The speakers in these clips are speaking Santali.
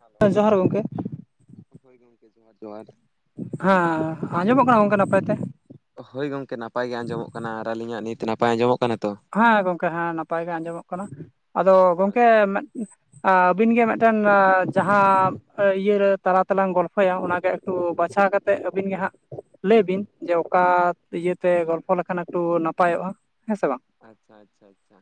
ᱦᱮᱞᱳ ᱮᱸ ᱡᱚᱦᱟᱨ ᱜᱚᱝᱠᱮ᱾ ᱦᱳᱭ ᱜᱚᱝᱠᱮ, ᱡᱚᱦᱟᱨ-ᱡᱚᱦᱟᱨ᱾ ᱦᱟᱸ ᱟᱸᱡᱚᱢᱚᱜ ᱠᱟᱱᱟ ᱣᱚᱝᱠᱮ ᱱᱟᱯᱟᱭ ᱛᱮ? ᱦᱳᱭ ᱜᱚᱝᱠᱮ, ᱱᱟᱯᱟᱭ ᱜᱮ ᱟᱸᱡᱚᱢᱚᱜ ᱠᱟᱱᱟ ᱟᱨ ᱟᱞᱤᱧᱟᱜ ᱱᱤᱛ ᱱᱟᱯᱟᱭ ᱟᱸᱡᱚᱢᱚᱜ ᱠᱟᱱᱟ ᱛᱚ? ᱦᱮᱸ ᱜᱚᱝᱠᱮ, ᱦᱮᱸ ᱱᱟᱯᱟᱭ ᱜᱮ ᱟᱸᱡᱚᱢᱚᱜ ᱠᱟᱱᱟ᱾ ᱟᱫᱚ ᱜᱚᱝᱠᱮ ᱢᱮ ᱟᱼᱵᱤᱱ ᱜᱮ ᱢᱤᱜᱴᱟᱱ ᱟ ᱡᱟᱦᱟᱯ ᱤᱭᱟᱹ ᱨᱮ ᱛᱟᱞᱟ ᱛᱮᱞᱟᱝ ᱜᱚᱞᱯᱷᱚᱭᱟ ᱚᱱᱟᱜᱮ ᱛᱚ ᱵᱟᱪᱷᱟᱣ ᱠᱟᱛᱮᱜ ᱟᱵᱤᱱ ᱜᱮ ᱦᱟᱸᱜ ᱞᱟᱹᱭᱵᱤᱱ ᱡᱮ ᱚᱠᱟ ᱤᱭᱟᱹ ᱛᱮ ᱜᱚᱞᱯᱚ ᱞᱮᱠᱷᱟᱱ ᱮᱠᱴᱩ ᱱᱟᱯᱟᱭᱚᱜᱼᱟ ᱦᱮᱸᱥᱮ ᱵᱟᱝ? ᱟᱪᱪᱷᱟ, ᱪᱷᱟ, ᱪᱷᱟ,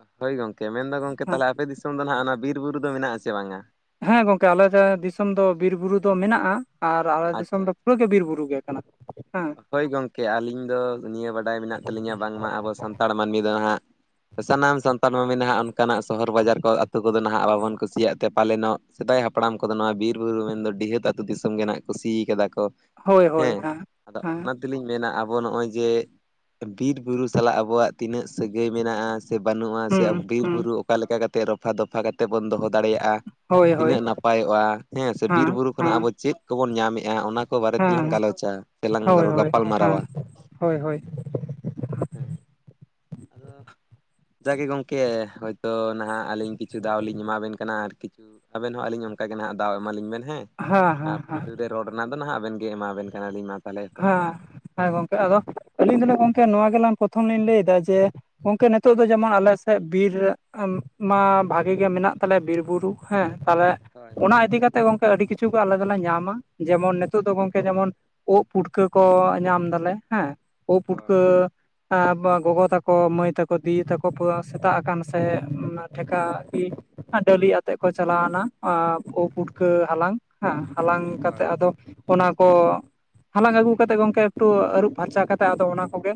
ᱟᱦ ᱦᱳᱭ ᱜᱚᱝᱠᱮ, ᱢᱮᱱᱫᱟ ᱜᱚᱝᱠᱮ ᱦᱮᱸ ᱛᱟᱦᱞᱮ ᱟᱯᱮ ᱫᱤᱥ ᱛᱳᱝ ᱫᱚ ᱱᱷᱟᱜ ᱟᱱᱟ ᱵᱤᱨ, ᱵᱩᱨᱩ ᱫᱚ ᱢᱮᱱᱟᱜᱼᱟᱥᱮ ᱵᱟᱝᱟ? ᱦᱮᱸ ᱜᱚᱝᱠᱮ, ᱟᱞᱮ ᱫᱮ ᱫᱤᱥᱚᱢ ᱫᱚ ᱵᱤᱨ, ᱵᱩᱨᱩ ᱫᱚ ᱢᱮᱱᱟᱜᱼᱟ ᱟᱨ ᱟᱞᱮ ᱫᱤᱥᱚᱢ ᱟᱪᱪᱷᱟ ᱫᱚ ᱯᱩᱨᱟᱹ ᱜᱮ ᱵᱤᱨ, ᱵᱩᱨᱩ ᱜᱮ ᱠᱟᱱᱟ᱾ ᱦᱮᱸ ᱦᱳᱭ ᱜᱚᱝᱠᱮ, ᱟᱹᱞᱤᱧ ᱫᱚ ᱱᱤᱭᱟᱹ ᱵᱟᱰᱟᱭ ᱢᱮᱱᱟᱜ ᱛᱟᱞᱤᱧᱟ, ᱵᱟᱝᱢᱟ ᱟᱵᱚ ᱥᱟᱱᱛᱟᱲ ᱢᱟᱱᱢᱤ ᱫᱚ ᱦᱟᱸᱜ ᱥᱟᱱᱟᱢ ᱥᱟᱱᱛᱟᱞᱢᱟ ᱢᱮᱱᱟᱜ ᱚᱱᱠᱟᱱᱟᱜ ᱥᱚᱦᱚᱨ ᱵᱟᱡᱟᱨ ᱠᱚ, ᱟᱛᱩ ᱠᱚᱫᱚ ᱱᱟᱦᱟᱜ ᱣᱟᱵᱚᱱ ᱠᱩᱥᱤᱭᱟᱜ ᱛᱮ ᱯᱟᱞᱮᱱᱚᱜ ᱥᱮᱫᱟᱭ ᱦᱟᱯᱲᱟᱢ ᱠᱚᱫᱚ ᱱᱚᱣᱟ ᱵᱤᱨ, ᱵᱩᱨᱩ ᱢᱮᱱᱫᱚ ᱰᱤᱦᱟᱹᱛ ᱟᱹᱛᱩ ᱫᱤᱥᱚᱢ ᱜᱮ ᱱᱟᱸᱜ ᱠᱩᱥᱩ ᱠᱟᱫᱟ ᱠᱚ᱾ ᱦᱳᱭ-ᱦᱳᱭ, ᱦᱟᱸ᱾ ᱟᱫᱚᱜ ᱚᱱᱟᱛ- -ᱛᱮᱹᱞᱤᱧ ᱢᱮᱱᱟ ᱟᱵᱚ ᱱᱚᱜᱼᱚᱭ ᱡᱮᱜ ᱵᱤᱨ, ᱵᱩᱨᱩ ᱥᱟᱞᱟᱜ ᱟᱵᱚᱣᱟᱜ ᱛᱤᱱᱟᱹᱜ ᱥᱟᱹᱜᱟᱹᱭ ᱢᱮᱱᱟᱜᱼᱟ? ᱥᱮ ᱵᱟᱹᱱᱩᱜᱼᱟ ᱥᱮ ᱦᱩᱸ ᱟᱣ ᱵᱤᱨ, ᱦᱩᱸ ᱵᱩᱨᱩ ᱚᱠᱟ ᱞᱮᱠᱟ ᱠᱟᱛᱮᱜ ᱨᱚᱯᱷᱟ-ᱫᱚᱯᱷᱟ ᱠᱟᱛᱮᱜ ᱵᱚᱱ ᱫᱚᱦᱚ ᱫᱟᱲᱮᱭᱟᱜᱼᱟ? ᱦᱳᱭ ᱦᱳᱭ ᱛᱤᱱᱟᱹᱜ ᱱᱟᱯᱟᱭᱚᱜᱼᱟ ᱦᱮᱸᱻ ᱥᱮ ᱵᱤᱨ, ᱦᱮᱸ ᱵᱩᱨᱩ ᱠᱷᱚᱱᱟᱜ ᱦᱮᱸ ᱟᱵᱚ ᱪᱮᱜ ᱠᱚᱵᱚᱱ ᱧᱟ ᱢᱮᱜᱼᱟ? ᱚᱱᱟ ᱠᱚ ᱵᱟᱨᱮ ᱛᱮ ᱞᱟᱝ ᱜᱟᱞᱚᱪᱟ᱾ ᱥᱮᱞᱟᱝ ᱦᱳᱭ-ᱦᱳᱭ, ᱜᱟᱯᱟᱞ ᱢᱟᱨᱟᱣᱟ ᱦᱮᱸ, ᱦᱳᱭ-ᱦᱳᱭ᱾ ᱦᱮᱸ, ᱟᱫᱚ ᱡᱟᱜᱮ ᱜᱚᱝᱠᱮ, ᱦᱳᱭ ᱛᱳ ᱱᱟᱦᱟᱜ ᱟᱹᱞᱤᱧ ᱠᱤᱪᱷᱩ ᱫᱟᱣ ᱞᱤᱧ ᱮᱢᱟᱵᱮᱱ ᱠᱟᱱᱟ ᱟᱨ ᱠᱤᱪᱩ ᱩᱸᱜ ᱟᱵᱮᱱ ᱦᱚᱸ ᱟᱹᱞᱤᱧᱚ ᱚᱱᱠᱟ ᱜᱮ ᱱᱷᱟᱜ ᱫᱟᱣ ᱮᱢᱟ ᱞᱤᱧ ᱢᱮᱱ ᱦᱮᱸᱻ᱾ ᱟ ᱯᱩᱭᱞᱩ ᱨᱮ ᱨᱚᱲ ᱱᱟᱜ ᱫᱚ ᱱᱟᱦᱟᱜ ᱟᱵᱮᱱ ᱜᱮ ᱮᱢᱟᱵᱮᱱ ᱠᱟᱱᱟᱞᱤᱧ ᱢᱟ᱾ ᱛᱟᱦᱚᱞᱮ ᱮᱛᱚᱦᱚᱵ ᱵᱮᱱ᱾ ᱦᱮᱸ ᱦᱮᱸ ᱜᱚᱝᱠᱮ ᱟᱫᱚ ᱟᱹᱞᱤᱧ ᱫᱚ ᱜᱚᱝᱠᱮ ᱱᱚᱣᱟ ᱜᱮᱞᱟᱝ ᱯᱨᱚᱛᱷᱚᱢ ᱞᱤᱧ ᱞᱟᱹᱭ ᱫᱟ ᱡᱮ ᱜᱚᱢᱠᱮ ᱱᱤᱛᱚᱜ ᱫᱚ ᱡᱮᱢᱚᱱ ᱟᱞᱮ ᱥᱮᱫ ᱵᱤᱨ ᱢᱟ ᱵᱷᱟᱜᱤ ᱜᱮ ᱢᱮᱱᱟᱜ ᱛᱟᱞᱮᱭᱟ ᱵᱤᱨ ᱵᱩᱨᱩ ᱦᱮᱸ ᱛᱟᱦᱚᱞᱮ ᱦᱳᱭ, ᱚᱱᱟ ᱤᱫᱤ ᱠᱟᱛᱮᱜ ᱜᱚᱝᱠᱮ ᱟᱹᱰᱤ ᱠᱤᱪᱷᱩ ᱜᱮ ᱟᱞᱮ ᱫᱚᱞᱮ ᱧᱟᱢᱟ ᱡᱮᱢᱚᱱ ᱱᱤᱛᱚᱜ ᱫᱚ ᱜᱚᱝᱠᱮ ᱡᱮᱢᱚᱱ ᱳᱜ ᱯᱩᱴᱠᱟᱹ ᱠᱚ ᱧᱟᱢ ᱫᱟᱞᱮ ᱦᱮᱸ ᱳᱜ ᱦᱳᱭ ᱯᱩᱴᱠᱟᱹ ᱮᱸ ᱜᱚᱜᱚ ᱛᱟᱠᱚ ᱢᱟᱹᱭ ᱛᱟᱠᱚ ᱫᱤᱫᱤ ᱛᱟᱠᱚ ᱥᱮᱛᱟᱜ ᱟᱠᱟᱱ ᱥᱮ ᱴᱷᱮᱠᱟ [inaudible] ᱰᱟᱹᱞᱤᱜ ᱟᱛᱮᱜ ᱠᱚ ᱪᱟᱞᱟᱣᱱᱟ ᱳᱜ ᱯᱩᱴᱠᱟᱹ ᱦᱟᱞᱟᱝ, ᱦᱮᱸ ᱦᱟᱞᱟᱝ ᱦᱳᱭ ᱠᱟᱛᱮᱫ ᱟᱫᱚ ᱚᱱᱟ ᱠᱚ ᱦᱟᱞᱟᱝ ᱟᱹᱜᱩ ᱠᱟᱛᱮᱫ ᱜᱚᱝᱠᱮ ᱮᱠᱴᱩ ᱟᱹᱨᱩᱵ ᱯᱷᱟᱨᱪᱟ ᱠᱟᱛᱮᱫ ᱟᱫᱚ ᱚᱱᱟ ᱠᱚᱜᱮ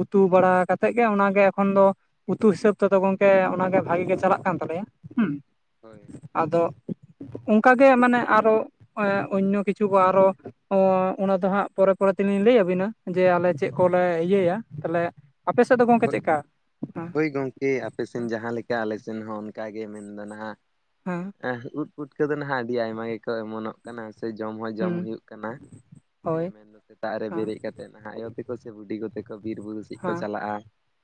ᱩᱛᱩ ᱵᱟᱲᱟ ᱠᱟᱛᱮᱫ ᱜᱮ ᱚᱱᱟᱜᱮ ᱮᱠᱷᱚᱱ ᱫᱚ ᱩᱛᱩ ᱦᱤᱥᱟᱹᱵ ᱛᱮᱫᱚ ᱜᱚᱢᱠᱮ ᱚᱱᱟᱜᱮ ᱵᱷᱟᱜᱤ ᱜᱮ ᱪᱟᱞᱟᱜ ᱠᱟᱱ ᱛᱟᱞᱮᱭᱟ ᱦᱩᱸ ᱦᱳᱭ ᱾ ᱟᱫᱚ ᱚᱱᱠᱟᱜᱮ ᱢᱟᱱᱮ ᱟᱨᱚ ᱚᱱᱱᱚ ᱠᱤᱪᱷᱩ ᱠᱚ ᱟᱨᱚ ᱚ ᱚᱱᱟ ᱫᱚ ᱦᱟᱸᱜ ᱯᱚᱨᱮ ᱯᱚᱨᱮ ᱛᱮᱞᱤᱧ ᱞᱟᱹᱭ ᱟᱵᱤᱱᱟ ᱡᱮ ᱟᱞᱮ ᱪᱮᱫ ᱠᱚᱞᱮ ᱦᱳᱭ ᱤᱭᱟᱹᱭᱟ ᱛᱟᱦᱞᱮ ᱟᱯᱮ ᱥᱮᱫ ᱫᱚ ᱜᱚᱝᱠᱮ ᱪᱮᱜᱠᱟ ᱦᱮᱸ ᱦᱳᱭ ᱜᱚᱝᱠᱮ ᱟᱯᱮ ᱥᱮᱱ ᱡᱟᱦᱟᱸ ᱞᱮᱠᱟ ᱟᱞᱮ ᱥᱮᱱ ᱦᱚᱸ ᱚᱱᱠᱟᱜᱮ ᱢᱮᱱᱫᱚ ᱱᱟᱜ [unintelligible] ᱩᱫ ᱯᱩᱴᱠᱟᱹ ᱫᱚ ᱱᱟᱦᱟᱜ ᱟᱹᱰᱤ ᱟᱭᱢᱟ ᱜᱮᱠᱚ ᱮᱢᱚᱱᱚᱜ ᱠᱟᱱᱟ ᱥᱮ ᱡᱚᱢ ᱦᱚᱸ ᱡᱚᱢ ᱦᱩᱸ ᱦᱩᱭᱩᱜ ᱠᱟᱱᱟ ᱦᱮᱸ ᱦᱳᱭ ᱢᱮᱱᱫᱚ ᱥᱮᱛᱟᱜ ᱨᱮ ᱦᱮᱸ ᱵᱮᱨᱮᱫ ᱠᱟᱛᱮᱜ ᱱᱟᱦᱟᱜ ᱟᱭᱳ ᱛᱮᱠᱚ ᱥᱮ ᱵᱩᱰᱤ ᱠᱚᱛᱮ ᱠᱚ ᱵᱤᱨ ᱵᱩᱨᱩ ᱥᱮᱫ ᱠᱚ ᱦᱮᱸ ᱪᱟᱞᱟᱜ-ᱟ,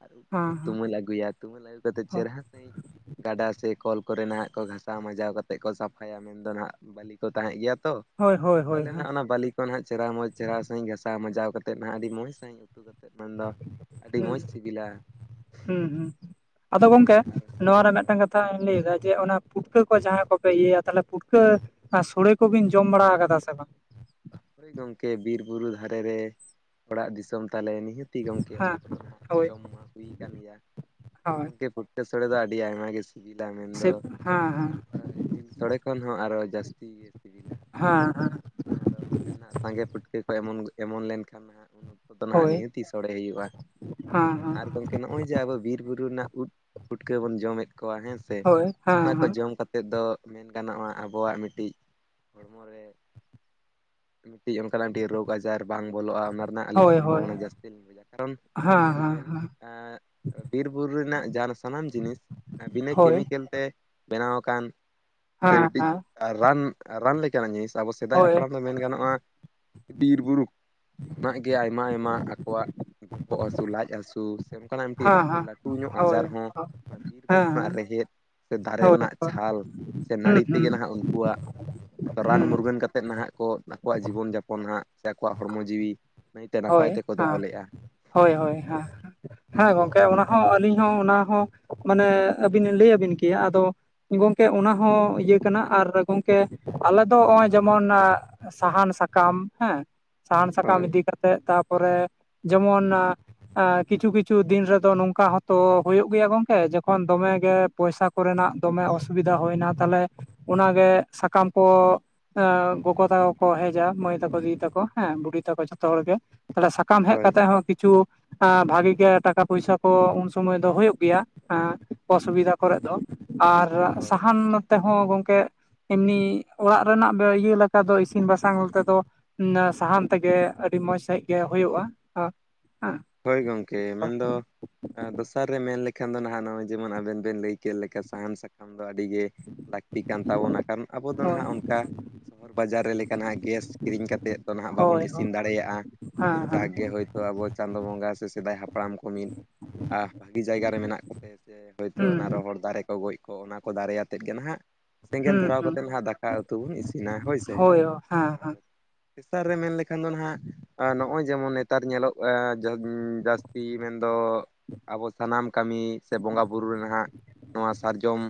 ᱟᱨ ᱩᱲᱠᱩ ᱠᱚᱠᱚ ᱦᱮᱸ ᱦᱮᱸ ᱛᱩᱢᱟᱹᱞ ᱟᱹᱜᱩᱭᱟ ᱛᱩᱢᱟᱹᱞ ᱟᱹᱜᱩ ᱠᱟᱛᱮᱫ ᱪᱮᱨᱦᱟ ᱥᱟᱺᱦᱤᱡ ᱜᱟᱰᱟ ᱥᱮ ᱠᱚᱞ ᱠᱚᱨᱮ ᱱᱟᱦᱟᱜ ᱠᱚ ᱜᱷᱟᱥᱟᱣ ᱢᱟᱡᱟᱣ ᱠᱟᱛᱮ ᱠᱚ ᱥᱟᱯᱷᱟᱭᱟ ᱢᱮᱱᱫᱚ ᱦᱟᱸᱜ ᱵᱟᱞᱤ ᱠᱚ ᱛᱟᱦᱮᱸ ᱜᱮᱭᱟ ᱛᱚ ᱦᱳᱭ ᱦᱳᱭ ᱦᱳᱭ ᱛᱟᱦᱚᱞᱮ ᱦᱮᱸ ᱱᱟᱜ ᱚᱱᱟ ᱵᱟᱹᱞᱤ ᱱᱟᱜ ᱪᱮᱦᱨᱟ ᱢᱚᱪ ᱥᱟᱦᱤᱡ ᱜᱷᱟᱥᱟᱣ ᱢᱟᱡᱟᱣ ᱠᱟᱛᱮᱫ ᱱᱟᱦᱟᱜ ᱟᱹᱰᱤ ᱢᱚᱡ ᱥᱟᱦᱤᱡ ᱩᱛᱩ ᱠᱟᱛᱮᱫ ᱢᱮᱱᱫᱚ ᱟᱹᱰᱤ ᱦᱩᱸ ᱢᱚᱡᱽ ᱥᱤᱵᱤᱞᱟ ᱦᱩᱸ ᱦᱩᱸ ᱟᱫᱚ ᱜᱚᱝᱠᱮ ᱦᱮᱸ ᱟᱨ ᱱᱚᱣᱟ ᱨᱮ ᱦᱳᱭ ᱢᱤᱫᱴᱟᱝ ᱠᱟᱛᱷᱟᱧ ᱞᱟᱹᱭᱮᱫᱟ ᱡᱮ ᱚᱱᱟ ᱯᱷᱩᱴᱠᱟᱹ ᱠᱚ ᱡᱟᱦᱟᱸᱭ ᱠᱚᱯᱮ ᱤᱭᱟᱹᱭᱟ ᱛᱟᱦᱚᱞᱮ ᱯᱩᱴᱠᱟᱹ ᱟᱨ ᱥᱚᱲᱮ ᱠᱚᱵᱤᱱ ᱡᱚᱢ ᱵᱟᱲᱟ ᱠᱟᱫᱟ ᱥᱮ ᱵᱟᱝ? ᱦᱳᱭ ᱜᱚᱢᱠᱮ ᱵᱤᱨ ᱵᱩᱨᱩ ᱫᱷᱟᱨᱮ ᱨᱮ ᱚᱲᱟᱜ ᱫᱤᱥᱚᱢ ᱛᱟᱞᱮ ᱱᱤᱦᱟᱹᱛ ᱛᱤ ᱜᱚᱢᱠᱮ ᱚᱱᱟ ᱦᱮᱸ ᱠᱚᱫᱚ ᱱᱟᱦᱟᱜ ᱦᱳᱭ ᱡᱚᱢ ᱢᱟ ᱦᱩᱭ ᱟᱠᱟᱱ ᱜᱮᱭᱟ ᱟᱨ ᱦᱳᱭ ᱜᱚᱢᱠᱮ ᱥᱚᱲᱮ ᱫᱚ ᱟᱹᱰᱤ ᱟᱭᱢᱟ ᱜᱮ ᱥᱤᱵᱤᱞᱟ ᱥᱮ ᱢᱮᱱᱫᱚ ᱦᱮᱸ ᱡᱤᱞ ᱥᱳᱲᱮ ᱠᱷᱚᱱ ᱦᱚᱸ ᱟᱨᱚ ᱡᱟᱹᱥᱛᱤ ᱜᱮ ᱥᱤᱵᱤᱞᱟ᱾ ᱦᱮᱸ ᱦᱮᱸ ᱟᱫᱚ ᱚᱱᱟᱛᱮ ᱱᱟᱦᱟᱜ ᱥᱟᱸᱜᱮ ᱯᱩᱴᱠᱟᱹ ᱠᱚ ᱮᱢᱚᱱ ᱚᱢᱚᱱ ᱞᱮᱱᱠᱷᱟᱱ ᱦᱟᱸᱜ ᱩᱱᱟᱹᱜ ᱟᱫᱚ ᱱᱟᱦᱟᱜ ᱦᱳᱭ ᱱᱤᱦᱟᱹᱛᱤ ᱜᱮ ᱥᱚᱲᱮ ᱦᱩᱭᱩᱜᱼᱟ ᱦᱮᱸ ᱟᱨ ᱜᱚᱢᱠᱮ ᱱᱚᱜᱼᱚᱭ ᱡᱮ ᱟᱵᱚ ᱵᱤᱨ ᱵᱩᱨᱩ ᱨᱮᱱᱟᱜ ᱩᱫ ᱯᱩᱴᱠᱟᱹ ᱵᱚᱱ ᱡᱚᱢᱮᱫ ᱠᱚᱣᱟ ᱦᱮᱸ ᱥᱮ ᱦᱳᱭ ᱱᱚᱜᱼᱱᱟ ᱦᱮᱸ ᱠᱚ ᱦᱮᱸ ᱡᱚᱢ ᱠᱟᱛᱮ ᱠᱟᱛᱮᱫ ᱫᱚ ᱢᱮᱱ ᱜᱟᱱᱚᱜᱼᱟ ᱟᱵᱚᱣᱟᱜ ᱢᱤᱫᱴᱤᱡ ᱦᱚᱲᱢᱚ ᱨᱮ ᱢᱤᱫᱴᱤᱡ ᱚᱱᱠᱟᱱᱟᱜ ᱢᱤᱫᱴᱤᱡ ᱨᱳᱜᱽ ᱟᱡᱟᱨ ᱵᱟᱝ ᱵᱚᱞᱚᱜᱼᱟ ᱚᱱᱟ ᱨᱮᱱᱟᱜ ᱟᱹᱞᱤᱧ ᱦᱳᱭ ᱦᱳᱭ ᱥᱚᱢᱵᱷᱚᱵᱚᱱᱟ ᱡᱟᱹᱥᱛᱤ ᱞᱤᱧ ᱵᱩᱡᱟ ᱠᱟᱨᱚᱱ ᱦᱮᱸ ᱧᱮᱞ ᱦᱮᱸ ᱵᱮᱱ ᱦᱮᱸ ᱮᱸᱫ ᱵᱤᱨᱵᱩᱨᱩ ᱨᱮᱱᱟᱜ ᱡᱟᱦᱟᱱ ᱥᱟᱱᱟᱢ ᱡᱤᱱᱤᱥ ᱵᱤᱱᱟᱹ ᱦᱳᱭ ᱠᱮᱢᱤᱠᱮᱞ ᱛᱮ ᱵᱮᱱᱟᱣ ᱟᱠᱟᱱ ᱥᱮ ᱦᱮᱸ ᱢᱤᱫᱴᱤᱡ ᱦᱮᱸ ᱨᱟᱱ ᱨᱟᱱ ᱞᱮᱠᱟᱱᱟᱜ ᱡᱤᱱᱤᱥ ᱟᱵᱚ ᱥᱮᱫᱟᱭ ᱦᱟᱯᱲᱟᱢ ᱦᱳᱭ ᱦᱮᱸ ᱫᱚ ᱢᱮᱱ ᱜᱟᱱᱚᱜᱼᱟ ᱵᱤᱨ ᱵᱩᱨᱩ ᱠᱷᱚᱱᱟᱜ ᱜᱮ ᱟᱭᱢᱟ ᱟᱭᱢᱟ ᱟᱠᱚᱣᱟᱜ ᱵᱚᱦᱚᱜ ᱦᱟᱹᱥᱩ ᱞᱟᱡ ᱦᱟᱹᱥᱩ ᱥᱮ ᱚᱱᱠᱟᱱᱟᱜ ᱢᱤᱫᱴᱤᱡ ᱨᱟᱹ ᱦᱮᱸ ᱞᱟᱹᱴᱩ ᱧᱚᱜ ᱟᱡᱟᱨ ᱦᱳᱭ ᱦᱮᱸ ᱦᱚᱸ ᱵᱤᱨᱵᱩᱨᱩ ᱨᱮᱱᱟᱜ ᱦᱮᱸ ᱨᱮᱦᱮᱫ ᱥᱮ ᱫᱟᱨᱮ ᱦᱳᱭ ᱨᱮᱱᱟᱜ ᱪᱷᱟᱞ ᱥᱮ ᱦᱩᱸ ᱱᱟᱹᱲᱤ ᱦᱩᱸ ᱛᱮᱜᱮ ᱱᱟᱦᱟᱜ ᱩᱱᱠᱩᱣᱟᱜ ᱢᱮᱱ ᱫᱚ ᱨᱟᱱ ᱦᱩᱸ ᱢᱩᱨᱜᱟᱹᱱ ᱠᱟᱛᱮᱫ ᱱᱟᱦᱟᱜ ᱠᱚ ᱟᱠᱚᱣᱟᱜ ᱡᱤᱵᱚᱱ ᱡᱟᱯᱚᱱ ᱦᱟᱸᱜ ᱥᱮ ᱟᱠᱚᱣᱟᱜ ᱦᱚᱲᱢᱚ ᱡᱤᱣᱤ ᱱᱟᱭᱛᱮ ᱱᱟᱯᱟᱭ ᱦᱳᱭ, ᱛᱮᱠᱚ ᱫᱚᱦᱚ ᱦᱟᱸ, ᱞᱮᱫᱼᱟ ᱦᱳᱭ, ᱦᱳᱭ ᱦᱟᱸ ᱾ ᱦᱮᱸ ᱜᱚᱝᱠᱮ ᱚᱱᱟ ᱦᱚᱸ ᱟᱹᱞᱤᱧ ᱦᱚᱸ ᱚᱱᱟ ᱦᱚᱸ ᱢᱟᱱᱮ ᱟᱹᱵᱤᱱ ᱞᱟᱹᱭ ᱟᱹᱵᱤᱱ ᱠᱮᱭᱟ, ᱟᱫᱚ ᱜᱚᱢᱠᱮ ᱚᱱᱟ ᱦᱚᱸ ᱤᱭᱟᱹ ᱠᱟᱱᱟ ᱟᱨ ᱜᱚᱢᱠᱮ ᱟᱞᱮ ᱫᱚ ᱱᱚᱜᱼᱚᱭ ᱡᱮᱢᱚᱱ ᱥᱟᱦᱟᱱ ᱥᱟᱠᱟᱢ ᱦᱮᱸ, ᱥᱟᱦᱟᱱ ᱥᱟᱠᱟᱢ ᱦᱳᱭ ᱤᱫᱤ ᱠᱟᱛᱮᱜ ᱛᱟᱨᱯᱚᱨᱮ ᱡᱮᱢᱚᱱ ᱠᱤᱪᱷᱩ, ᱠᱤᱪᱷᱩ ᱫᱤᱱ ᱨᱮᱫᱚ ᱱᱚᱝᱠᱟ ᱦᱚᱛᱚ ᱦᱩᱭᱩᱜ ᱜᱮᱭᱟ ᱜᱚᱝᱠᱮ, ᱡᱚᱠᱷᱚᱱ ᱫᱚᱢᱮ ᱜᱮ ᱯᱚᱭᱥᱟ ᱠᱚᱨᱮᱱᱟᱜ ᱫᱚᱢᱮ ᱚᱥᱩᱵᱤᱫᱟ ᱦᱩᱭᱱᱟ, ᱛᱟᱦᱚᱞᱮ ᱚᱱᱟ ᱜᱮ ᱥᱟᱠᱟᱢ ᱠᱚ ᱮᱻ ᱜᱚᱜᱚ ᱛᱟᱠᱚ ᱠᱚ ᱦᱮᱡᱟ ᱢᱟᱹᱭ ᱛᱟᱠᱚ ᱫᱤᱫᱤ ᱛᱟᱠᱚ ᱦᱮᱸ ᱵᱩᱰᱷᱤ ᱛᱟᱠᱚ ᱡᱚ ᱛᱚ ᱦᱚᱲ ᱜᱮ᱾ ᱛᱟᱦᱚᱞᱮ ᱥᱟᱠᱟᱢ ᱦᱮᱡ ᱦᱳᱭ ᱠᱟᱛᱮ ᱦᱚᱸ ᱠᱤᱪᱷᱩ ᱵᱷᱟᱹᱜᱤ ᱜᱮ ᱴᱟᱠᱟ ᱯᱚᱭᱥᱟ ᱠᱚ ᱩᱱ ᱥᱩᱢᱚᱭ ᱫᱚ ᱦᱩᱭᱩᱜ ᱜᱮᱭᱟ ᱾ ᱮᱫᱚ ᱚᱥᱩᱵᱤᱫᱷᱟ ᱠᱚᱨᱮᱫ ᱫᱚ, ᱟᱨ ᱦᱳᱭ ᱥᱟᱦᱟᱱ ᱱᱚᱛᱮ ᱦᱚᱸ ᱜᱚᱝᱠᱮ ᱮᱢᱱᱤ ᱚᱲᱟᱜ ᱨᱮᱱᱟᱜ ᱤᱭᱟᱹ ᱞᱮᱠᱟ ᱫᱚ ᱤᱥᱤᱱ ᱵᱟᱥᱟᱝ ᱛᱮᱫᱚ ᱥᱟᱦᱟᱱ ᱛᱮᱜᱮ ᱟᱹᱰᱤ ᱢᱚᱸᱡᱽ ᱥᱟᱺᱦᱤᱡ ᱜᱮ ᱦᱩᱭᱩᱜᱼᱟ ᱦᱮᱸ ᱾ ᱦᱳᱭ ᱜᱚᱢᱠᱮ ᱢᱮᱱ ᱫᱚ ᱫᱚᱥᱟᱨ ᱨᱮ ᱢᱮᱱ ᱞᱮᱠᱷᱟᱱ ᱫᱚ ᱱᱟᱦᱟᱜ ᱱᱚᱜᱼᱚᱭ ᱡᱮᱢᱚᱱ ᱟᱵᱮᱱ ᱵᱮᱱ ᱞᱟᱹᱭ ᱠᱮᱫ ᱞᱮᱠᱟ ᱥᱟᱦᱟᱱ ᱥᱟ ᱠᱟᱢ ᱫᱚ ᱟᱹᱰᱤ ᱜᱮ ᱞᱟᱹᱠᱛᱤ ᱠᱟᱱ ᱛᱟᱵᱚᱱᱟ, ᱠᱟᱨᱚᱱ ᱟᱵᱚ ᱫᱚ ᱦᱳᱭ ᱱᱟᱦᱟᱜ ᱚᱱᱠᱟ ᱥᱚᱦᱚᱨ ᱵᱟᱡᱟᱨ ᱨᱮ ᱞᱮᱠᱟ ᱱᱟᱦᱟᱜ ᱜᱮᱥ ᱠᱤᱨᱤᱧ ᱠᱟᱛᱮᱫ ᱫᱚ ᱱᱟᱦᱟᱜ ᱦᱳᱭ ᱵᱟᱵᱚᱱ ᱦᱳᱭ ᱤᱥᱤᱱ ᱫᱟᱲᱮᱭᱟᱜᱼᱟ᱾ ᱦᱮᱸ ᱡᱟᱜᱽ ᱜᱮ ᱦᱚᱭᱛᱚ ᱟᱵᱚ ᱪᱟᱸᱫᱳ ᱵᱚᱸᱜᱟ ᱥᱮ ᱥᱮᱫᱟᱭ ᱦᱟᱯᱲᱟᱢ ᱠᱚ ᱢᱤᱫ ᱵᱷᱟᱹᱜᱤ ᱡᱟᱭᱜᱟ ᱨᱮ ᱢᱮᱱᱟᱜ ᱠᱚᱛᱮ ᱥᱮ ᱦᱚᱭ ᱛᱚ ᱦᱩᱸ ᱚᱱᱟ ᱨᱚᱦᱚᱲ ᱫᱟᱨᱮ ᱠᱚ ᱜᱚᱡᱽ ᱠᱚᱜ ᱚᱱᱟ ᱠᱚ ᱚᱱᱟ ᱫᱟᱨᱮ ᱟᱛᱮᱫ ᱜᱮ ᱱᱟᱦᱟᱜ ᱥᱮᱸᱜᱮᱞ ᱦᱩᱸ ᱫᱷᱚᱨᱟᱣ ᱦᱩᱸ ᱠᱟᱛᱮᱫ ᱱᱟᱦᱟᱜ ᱫᱟᱠᱟ ᱩᱛᱩ ᱵᱚᱱ ᱤᱥᱤᱱᱟ ᱦᱳᱭ ᱥᱮ ᱦᱮᱸ ᱟᱨ ᱦᱮᱸ ᱛᱮᱥᱟᱨ ᱨᱮ ᱢᱮᱱ ᱞᱮᱠᱷᱟᱱ ᱫᱚ ᱱᱟᱦᱟᱜ ᱱᱚᱜᱼᱚᱭ ᱡᱮᱢᱚᱱ ᱱᱮᱛᱟᱨ ᱧᱮᱞᱚᱜ ᱡᱟᱹᱥᱛᱤ ᱢᱮᱱ ᱫᱚ ᱟᱵᱚ ᱥᱟᱱᱟᱢ ᱠᱟᱹᱢᱤ ᱥᱮ ᱵᱚᱸᱜᱟ ᱵᱩᱨᱩ ᱨᱮᱱ ᱦᱟᱸᱜ ᱱᱚᱣᱟ ᱥᱟᱨᱡᱚᱢ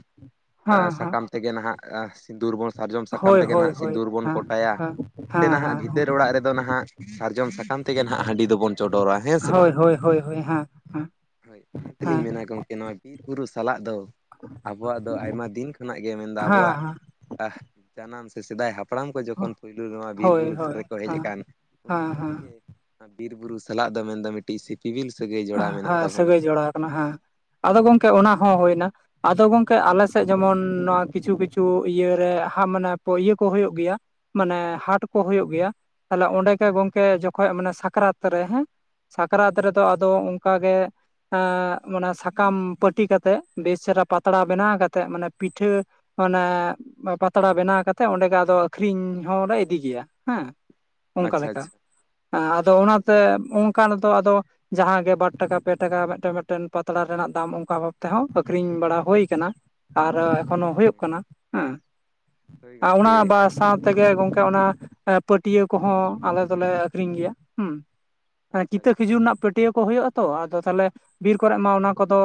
ᱦᱮᱸ ᱦᱮᱸ ᱥᱟᱠᱟᱢ ᱛᱮᱜᱮ ᱱᱟᱦᱟᱜ ᱥᱤᱸᱫᱩᱨ ᱵᱚᱱ ᱥᱟᱨᱡᱚᱢ ᱥᱟᱠᱟᱢ ᱦᱳᱭ ᱛᱮᱜᱮ ᱦᱳᱭ ᱱᱟᱦᱟᱜ ᱦᱳᱭ ᱥᱤᱸᱫᱩᱨ ᱵᱚᱱ ᱦᱮᱸ ᱠᱚᱴᱟᱭᱟ ᱦᱮᱸ ᱥᱮ ᱦᱮᱸ ᱦᱟᱸᱜ ᱦᱮᱸ ᱵᱷᱤᱛᱟᱹᱨ ᱚᱲᱟᱜ ᱨᱮᱫᱚ ᱱᱟᱦᱟᱜ ᱥᱟᱨᱡᱚᱢ ᱥᱟᱠᱟᱢ ᱛᱮᱜᱮ ᱱᱟᱦᱟᱜ ᱦᱟᱺᱰᱤ ᱫᱚᱵᱚᱱ ᱪᱚᱸᱰᱚᱨᱟ ᱦᱮᱸ ᱥᱮ ᱵᱟᱝ ᱦᱳᱭ ᱦᱳᱭ ᱦᱳᱭ ᱦᱳᱭ ᱦᱮᱸ ᱦᱮᱸ ᱾ ᱦᱳᱭ ᱚᱱᱟ ᱛᱮᱞᱤᱧ ᱦᱮᱸ ᱢᱮᱱᱟ ᱜᱚᱢᱠᱮ ᱱᱚᱣᱟ ᱵᱤᱨ ᱵᱩᱨᱩ ᱥᱟᱞᱟᱜ ᱫᱚ ᱟᱵᱚᱣᱟᱜ ᱫᱚ ᱟᱭᱢᱟ ᱫᱤᱱ ᱠᱷᱚᱱᱟᱜ ᱜᱮ ᱢᱮᱱᱫᱚ ᱦᱮᱸ ᱟᱵᱚᱣᱟᱜ ᱦᱮᱸ ᱟ ᱡᱟᱱᱟᱢ ᱥᱮ ᱥᱮᱫᱟᱭ ᱦᱟᱯ ᱦᱟᱯᱲᱟᱢ ᱠᱚ ᱡᱚᱠᱷᱚᱱ ᱯᱳᱭᱞᱳ ᱱᱚᱣᱟ ᱵᱤᱨ ᱦᱳᱭ ᱵᱩᱨᱩ ᱫᱷᱟᱨᱮ ᱦᱳᱭ ᱨᱮᱠᱚ ᱦᱮᱡ ᱦᱮᱸ ᱟᱠᱟᱱ ᱩᱱ ᱦᱮᱸ ᱦᱮᱸ ᱠᱷᱚᱱ ᱜᱮ ᱵᱤᱨ ᱵᱩᱨᱩ ᱥᱟᱞᱟᱜ ᱫᱚ ᱢᱮᱱᱫᱚ ᱢᱤᱫᱴᱤᱡ ᱥᱤᱯᱤᱵᱤᱞ ᱥᱟᱹᱜᱟᱹᱭ ᱡᱚᱲᱟᱣ ᱢᱮᱱᱟᱜ ᱦᱮᱸ ᱛᱟᱵᱚᱱᱟ ᱥᱟᱹᱜᱟᱹᱭ ᱾ ᱡᱚᱲᱟᱣ ᱟᱠᱟᱱᱟ ᱦᱟᱸᱜ ᱾ ᱟᱫᱚ ᱜᱚᱢᱠᱮ ᱚᱱᱟ ᱦᱚᱸ ᱦᱩᱭᱱᱟ ᱾ ᱟᱫᱚ ᱜᱚᱝᱠᱮ ᱟᱞᱮᱥᱮᱫ ᱡᱮᱢᱚᱱ ᱱᱚᱣᱟ ᱠᱤᱪᱷᱩ, ᱠᱤᱪᱷᱩ ᱤᱭᱟᱹ ᱨᱮ ᱦᱟᱸᱜ ᱢᱟᱱᱮ ᱤᱭᱟᱹ ᱠᱚ ᱦᱩᱭᱩᱜ ᱜᱮᱭᱟ ᱾ ᱢᱟᱱᱮ ᱦᱟᱸᱴ ᱠᱚ ᱦᱩᱭᱩᱜ ᱜᱮᱭᱟ᱾ ᱛᱟᱦᱚᱞᱮ ᱚᱸᱰᱮ ᱜᱮ ᱜᱚᱢᱠᱮ ᱡᱚᱠᱷᱚᱡ ᱢᱟᱱᱮ ᱥᱟᱠᱨᱟᱛ ᱨᱮ ᱦᱮᱸ ᱾ ᱥᱟᱠᱨᱟᱛ ᱨᱮᱫᱚ ᱟᱫᱚ ᱚᱱᱠᱟ ᱜᱮ ᱾ ᱟ ᱥᱟᱠᱟᱢ ᱯᱟᱹᱴᱤ ᱠᱟᱛᱮᱜ ᱵᱮᱥ ᱪᱮᱦᱨᱟ ᱯᱟᱛᱲᱟ ᱵᱮᱱᱟᱣ ᱠᱟᱛᱮᱫ ᱢᱟᱱᱮ ᱯᱤᱴᱷᱟᱹ ᱚᱱᱮ ᱯᱟᱛᱲᱟ ᱵᱮᱱᱟᱣ ᱠᱟᱛᱮᱜ, ᱚᱸᱰᱮ ᱜᱮ ᱟᱫᱚ ᱟᱹᱠᱷᱨᱤᱧ ᱦᱚᱸ ᱞᱮ ᱤᱫᱤ ᱜᱮᱭᱟ ᱦᱮᱸ ᱾ ᱚᱱᱠᱟ ᱟᱪᱪᱷᱟ ᱞᱮᱠᱟ᱾ ᱟᱪᱪᱷᱟ ᱟᱫᱚ ᱚᱱᱟ ᱛᱮ ᱚᱱᱠᱟ ᱟᱞᱮ ᱫᱚ ᱟᱫᱚ ᱡᱟᱦᱟᱸᱜ ᱜᱮ ᱵᱟᱨ ᱴᱟᱠᱟ, ᱯᱮ ᱴᱟᱠᱟ ᱢᱤᱫᱴᱮᱱ, ᱢᱤᱫᱴᱮᱱ ᱯᱟᱛᱲᱟ ᱨᱮᱱᱟᱜ ᱫᱟᱢ ᱚᱱᱠᱟ ᱵᱷᱟᱵ ᱛᱮᱦᱚᱸ ᱟᱠᱷᱨᱤᱧ ᱵᱟᱲᱟ ᱦᱳᱭ ᱠᱟᱱᱟ ᱾ ᱟᱨ ᱮᱠᱷᱚᱱᱳ ᱦᱳᱭ ᱦᱩᱭᱩᱜ ᱠᱟᱱᱟ ᱦᱮᱸ ᱦᱳᱭ ᱾ ᱚᱱᱟ ᱜᱚᱢᱠᱮ ᱵᱟ ᱥᱟᱶ ᱛᱮᱜᱮ ᱜᱚᱝᱠᱮ ᱚᱱᱟ ᱯᱟᱹᱴᱭᱟᱹ ᱠᱚᱦᱚᱸ ᱟᱞᱮ ᱫᱚᱞᱮ ᱟᱹᱠᱷᱨᱤᱧ ᱜᱮᱭᱟ ᱦᱩᱸ᱾ ᱦᱮᱸ ᱟᱪᱪᱷᱟ ᱠᱤᱛᱟᱹ ᱟᱪᱪᱷᱟ ᱠᱷᱤᱡᱩᱨ ᱨᱮᱱᱟᱜ ᱯᱟᱹᱴᱭᱟᱹ ᱠᱚ ᱦᱩᱭᱩᱜ ᱟᱛᱚ, ᱟᱫᱚ ᱛᱟᱦᱚᱞᱮ ᱵᱤᱨ ᱠᱚᱨᱮ ᱢᱟ ᱚᱱᱟ ᱠᱚᱫᱚ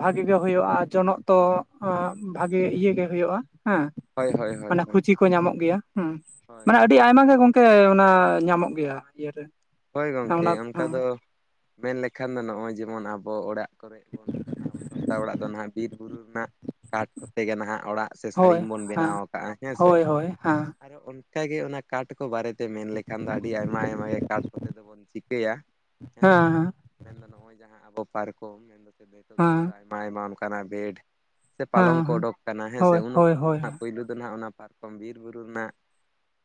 ᱵᱷᱟᱜᱮ ᱜᱮ ᱦᱳᱭᱳᱜᱼᱟ, ᱡᱚᱱᱚᱜ ᱛᱚ ᱵᱷᱟᱜᱮ ᱤᱭᱟᱹ ᱜᱮ ᱦᱳᱭᱳᱜᱼᱟ ᱾ ᱦᱮᱸ ᱦᱳᱭ ᱦᱳᱭ ᱦᱳᱭ ᱢᱟᱱᱮ ᱦᱳᱭ ᱠᱷᱩᱪᱤ ᱠᱚ ᱧᱟᱢᱚᱜ ᱜᱮᱭᱟ, ᱦᱮᱸ ᱢᱟᱱᱮ ᱟᱹᱰᱤ ᱟᱹᱰᱤ ᱟᱭᱢᱟ ᱜᱮ ᱜᱚᱝᱠᱮ ᱚᱱᱟ ᱧᱟᱢᱚᱜ ᱜᱮᱭᱟ ᱤᱭᱟ. ᱨᱮ ᱾ ᱦᱳᱭ ᱜᱚᱝᱠᱮ ᱚᱱᱠᱟ ᱫᱚ ᱢᱮᱱ ᱞᱮᱠᱷᱟᱱ ᱫᱚ ᱱᱚᱜᱼᱚᱭ ᱡᱮᱢᱚᱱ ᱟᱵᱚ ᱚᱲᱟᱜ ᱠᱚᱨᱮ ᱵᱚᱱ ᱢᱮᱛᱟᱜ ᱟᱵᱚ ᱥᱟᱱᱛᱟᱲ ᱚᱲᱟᱜ ᱫᱚ ᱱᱟᱦᱟᱜ ᱵᱤᱨ ᱵᱩᱨᱩ ᱨᱮᱱᱟᱜ ᱠᱟᱴ ᱠᱚᱛᱮ ᱜᱮ ᱱᱟᱦᱟᱜ ᱚᱲᱟᱜ ᱥᱮ ᱥᱟᱲᱤᱢ ᱦᱳᱭ ᱵᱚᱱ ᱦᱮᱸ ᱵᱮᱱᱟᱣ ᱟᱠᱟᱜᱼᱟ ᱦᱮᱸ ᱥᱮ ᱦᱳᱭ ᱦᱳᱭ ᱦᱮᱸ ᱾ ᱟᱨᱚ ᱚᱱ ᱠᱟ ᱜᱮ ᱚᱱᱟ ᱠᱟᱴ ᱠᱚ ᱵᱟᱨᱮᱛᱮ ᱢᱮᱱ ᱞᱮᱠᱷᱟᱱ ᱫᱚ ᱟᱹᱰᱤ ᱟᱭᱢᱟ ᱟᱭᱢᱟ ᱜᱮ ᱠᱟᱴ ᱛᱮᱫᱚ ᱵᱚᱱ ᱪᱤᱠᱟᱹᱭᱟ ᱦᱮᱸ ᱥᱮ, ᱢᱮᱱᱫᱚ ᱱᱚᱜᱼᱚᱭ ᱡᱟᱦᱟᱸ ᱟᱵᱚ ᱯᱟᱨᱠᱚᱢ ᱦᱮᱸ ᱱᱤᱛᱚᱜ ᱫᱚ ᱚᱱᱠᱟ ᱦᱮᱸ ᱟᱭᱢᱟ ᱟᱭᱢᱟ ᱚᱱᱠᱟᱱᱟᱜ ᱵᱮᱰ ᱥᱮ ᱯᱟᱞᱚᱝ ᱠᱚ ᱦᱮᱸ ᱚᱰᱳᱠ ᱟᱠᱟᱱᱟ ᱦᱮᱸ ᱥᱮ, ᱦᱳᱭ ᱩᱱ ᱦᱳᱭ ᱚᱠᱛᱚ ᱦᱳᱭ ᱱᱟᱦᱟᱜ ᱯᱩᱭᱞᱩ ᱫᱚ ᱱᱟᱦᱟᱜ ᱚᱱᱟ ᱯᱟᱨᱠᱚᱢ ᱵᱤᱨ ᱵᱩᱨᱩ ᱨᱮᱱᱟᱜ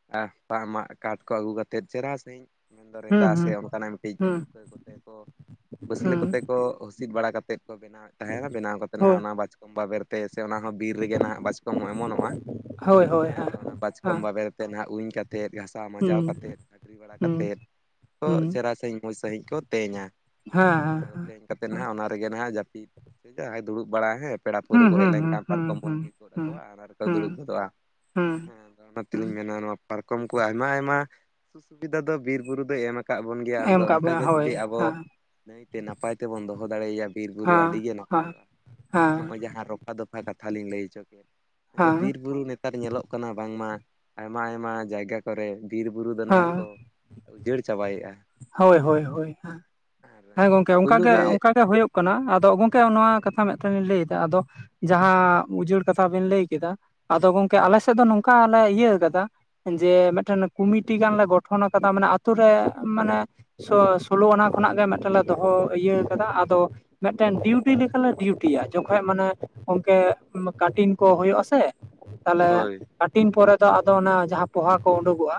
ᱥᱟᱜ ᱢᱟᱜ ᱠᱟᱴ ᱠᱚ ᱟᱹᱜᱩ ᱠᱟᱛᱮᱫ ᱪᱮᱨᱦᱟ ᱥᱟᱺᱦᱤᱡ ᱢᱮᱱᱫᱚ ᱨᱮᱸᱫᱟ ᱦᱩᱸ ᱥᱮ ᱦᱩᱸ ᱚᱱᱠᱟᱱᱟᱜ ᱢᱤᱫᱴᱤᱡ ᱦᱩᱸ ᱨᱩᱠᱟᱹ ᱠᱚᱛᱮ ᱠᱚ ᱵᱟᱹᱥᱞᱟᱹ ᱦᱩᱸ ᱠᱚᱛᱮ ᱠᱚ ᱦᱩᱥᱤᱫ ᱵᱟᱲᱟ ᱠᱟᱛᱮᱫ ᱠᱚ ᱵᱮᱱᱟᱣᱮᱫ ᱛᱟᱦᱮ, ᱵᱮᱱᱟᱣ ᱠᱟᱛᱮ ᱱᱟᱦᱟᱜ ᱦᱳᱭ ᱚᱱᱟ ᱵᱟᱡᱽ ᱠᱚᱢ ᱵᱟᱵᱮᱨᱛᱮ ᱥᱮ ᱚᱱᱟ ᱦᱚᱸ ᱵᱤᱨ ᱨᱮᱜᱮ ᱱᱟᱦᱟᱜ ᱵᱟᱪᱠᱚᱢ ᱦᱚᱸ ᱮᱢᱚᱱᱚᱜᱼᱟ ᱾ ᱦᱳᱭ ᱦᱳᱭ ᱦᱮᱸ ᱟᱫᱚ ᱚᱱᱟ ᱵᱟᱪᱠᱚᱢ ᱦᱮᱸ ᱵᱟᱵᱮᱨ ᱛᱮ ᱱᱟᱜ ᱩᱧ ᱠᱟᱛᱮᱫ ᱜᱷᱟᱥᱟᱣ ᱢᱟᱡᱟᱣ ᱦᱩᱸ ᱠᱟᱛᱮᱫ ᱩᱧ ᱵᱟᱲᱟ ᱦᱩᱸ ᱠᱟᱛᱮᱫ ᱠᱚ ᱦᱩᱸ ᱪᱮᱨᱦᱟ ᱥᱟᱺᱦᱤᱡ ᱢᱚᱡᱽ ᱥᱟᱹᱦᱤᱡ ᱠᱚ ᱛᱮᱧᱟ, ᱦᱮᱸ ᱾ ᱛᱮᱧ ᱠᱟᱛᱮᱫ ᱱᱟᱦᱟᱜ ᱚᱱᱟ ᱨᱮᱜᱮ ᱱᱟᱦᱟᱜ ᱡᱟᱹᱯᱤᱫ ᱡᱟᱦᱟᱸᱭ ᱫᱩᱲᱩᱵ ᱵᱟᱲᱟᱭ ᱦᱮᱸ ᱯᱮᱲᱟ ᱯᱟᱹᱲᱦᱟᱹ ᱠᱚ ᱦᱮᱡ ᱦᱩᱸ ᱦᱩᱸ ᱞᱮᱱᱠᱷᱟᱱ ᱯᱟᱨᱠᱚᱢ ᱦᱩᱸ ᱵᱚᱱ ᱦᱩᱸ ᱵᱮᱞ ᱜᱚᱫ ᱦᱩᱸ ᱟᱠᱚᱣᱟ ᱚᱱᱟ ᱨᱮᱠᱚ ᱦᱩᱸ ᱦᱩᱸ ᱫᱩᱲᱩᱵ ᱦᱩᱸ ᱜᱚᱫᱚᱜᱼᱟ ᱾ ᱦᱩᱸ ᱦᱮᱸ ᱚᱱᱟ ᱛᱮᱞᱤᱧ ᱢᱮᱱᱟ ᱱᱚᱣᱟ ᱯᱟᱨᱠᱚᱢ ᱠᱚ ᱟᱭᱢᱟ ᱟᱭᱢᱟ ᱥᱩ ᱥᱩᱵᱤᱫᱷᱟ ᱫᱚ ᱵᱤᱨ ᱵᱩᱨᱩ ᱫᱚᱭ ᱮᱢ ᱟ ᱠᱟᱜ ᱵᱚᱱ ᱜᱮᱭᱟ, ᱟᱫᱚ ᱮᱢ ᱠᱟᱜ ᱵᱚᱱᱟ ᱚᱱᱠᱟᱜᱮ ᱦᱳᱭ ᱡᱩᱫᱤ ᱟᱵᱚ ᱦᱮᱸ ᱱᱟᱹᱭᱛᱮ ᱱᱟᱯᱟᱭ ᱛᱮᱵᱚᱱ ᱫᱚᱦᱚ ᱫᱟᱲᱮᱭᱟᱭᱟ ᱵᱤᱨᱼᱵᱩᱨᱩ ᱦᱮᱸ ᱟᱹᱰᱤᱜᱮ ᱦᱮᱸ ᱱᱟᱯᱟᱭᱚᱜᱼᱟ, ᱢᱮᱱᱫᱚ ᱦᱮᱸ ᱱᱚᱜᱼᱚᱭ ᱡᱟᱦᱟᱸ ᱨᱚ ᱯᱷᱟ ᱫᱚᱯᱷᱟ ᱠᱟᱛᱷᱟ ᱞᱤᱧ ᱞᱟᱹᱭ ᱦᱚᱪᱚ ᱠᱮᱫ ᱢᱮᱱ ᱫᱚ ᱦᱮᱸ ᱵᱤᱨ ᱵᱩᱨᱩ ᱱᱮᱛ ᱛᱟᱨ ᱧᱮᱞᱚᱜ ᱠᱟᱱᱟ ᱵᱟᱝᱢᱟ ᱟᱭᱢᱟ ᱟᱭᱢᱟ ᱡᱟᱭᱜᱟ ᱠᱚᱨᱮ ᱵᱤᱨ ᱵᱩᱨᱩ ᱫᱚ ᱱᱟᱦᱟᱜ ᱦᱮᱸ ᱠᱚ ᱩᱡᱟᱹᱲ ᱪᱟᱵᱟᱭᱮᱜᱼᱟ ᱾ ᱦᱳᱭ ᱦᱳᱭ ᱦᱳᱭ, ᱦᱮᱸ ᱜᱚᱝᱠᱮ ᱯᱳᱭᱞᱳ ᱚᱝᱠᱟᱜᱮ ᱨᱮ ᱚᱝᱠᱟ ᱜᱮ ᱦᱳᱭᱳᱜ ᱠᱟᱱᱟ, ᱟᱫᱚ ᱜᱚᱝᱠᱮ ᱱᱚᱣᱟ ᱦᱳᱭ ᱠᱟᱛᱷᱟ ᱢᱮᱫᱴᱟᱱ ᱞᱤᱧ ᱞᱟᱹᱭᱫᱟ ᱟᱫᱚ ᱡᱟᱦᱟᱸ ᱩᱡᱟᱹᱲ ᱠᱟᱛᱷᱟ ᱵᱮᱱ ᱞᱟᱹᱭ ᱠᱮᱫᱟ, ᱟᱫᱚ ᱜᱚᱝᱠᱮ ᱟᱞᱮᱥᱮᱫ ᱫᱚ ᱱᱚᱝ ᱠᱟ ᱞᱮ ᱤᱭᱟᱹ ᱟᱠᱟᱫᱟ, ᱡᱮ ᱢᱤᱫᱴᱮᱱ ᱠᱚᱢᱤᱴᱤ ᱜᱟᱱ ᱞᱮ ᱜᱚᱴᱷᱚᱱ ᱟᱠᱟᱫᱟ ᱢᱟᱱᱮ ᱟᱛᱳ ᱨᱮ ᱢᱟᱱᱮ ᱥᱳ-ᱥᱳᱞᱳ ᱟᱱᱟ ᱠᱷᱚᱱᱟᱜ ᱜᱮ ᱢᱤᱫᱴᱮᱱ ᱞᱮ ᱫᱚᱦᱚ ᱤᱭᱟᱹ ᱠᱟᱫᱟ, ᱟᱫᱚ ᱢᱤᱫᱴᱮᱱ ᱰᱤᱭᱩᱴᱤ ᱞᱮᱠᱟᱞᱮ ᱰᱤᱭᱩᱴᱤᱭᱟ ᱡᱚᱠᱷᱚᱡ ᱢᱟᱱᱮ ᱜᱚᱝᱠᱮ ᱠᱤᱝᱵᱟ ᱠᱟᱴᱤᱱ ᱠᱚ ᱦᱳᱭᱳᱜᱼᱟ ᱥᱮ! ᱛᱟᱦᱞᱮ ᱦᱳᱭ ᱠᱟᱴᱤᱱ ᱯᱚᱨᱮ ᱫᱚ ᱟᱫᱚ ᱚᱱᱟ ᱡᱟᱦᱟᱸ ᱯᱚᱦᱟ ᱠᱚ ᱚᱰᱳᱠᱚᱜᱼᱟ,